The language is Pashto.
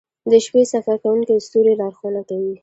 • د شپې سفر کوونکي ستوري لارښونه کوي.